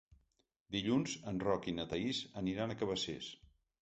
Dilluns en Roc i na Thaís aniran a Cabacés.